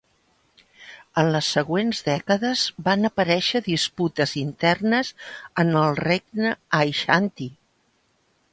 En les següents dècades van aparèixer disputes internes en el regne Aixanti.